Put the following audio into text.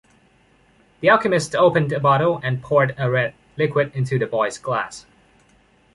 The alchemist opened a bottle and poured a red liquid into the boy’s glass.